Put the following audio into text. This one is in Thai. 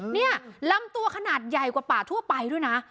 นี่ลำตัวขนาดใหญ่กว่าป่าทั่วไปด้วยนะ